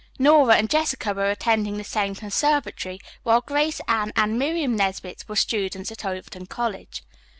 Nora and Jessica were attending the same conservatory, while Grace, Anne and Miriam Nesbit were students at Overton College.